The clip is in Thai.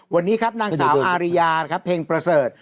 วันนี้ครับนางสาวอาริยานะครับเพลงประเสริฐ